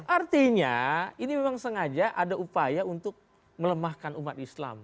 artinya ini memang sengaja ada upaya untuk melemahkan umat islam